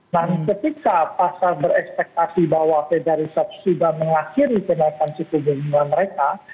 nah ketika pasar berekspektasi bahwa fed dari sabs sudah mengakhiri penaikan cukup dengan mereka